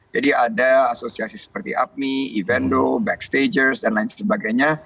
jadi ada asosiasi seperti apmi evendo backstagers dan lain sebagainya